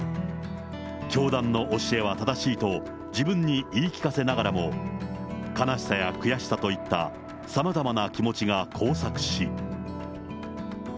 教団の教えは正しいと自分に言い聞かせながらも、悲しさや悔しさといったさまざまな気持ちが交錯し。